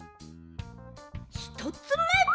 ひとつめ！